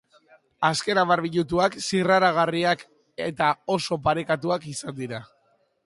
Azken hamar minutuak zirraragarriak eta oso parekatuak izan dira.